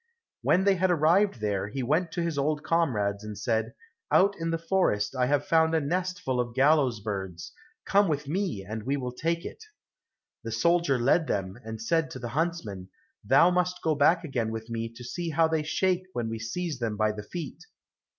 When they had arrived there, he went to his old comrades, and said, "Out in the forest I have found a nest full of gallows' birds, come with me and we will take it." The soldier led them, and said to the huntsman, "Thou must go back again with me to see how they shake when we seize them by the feet."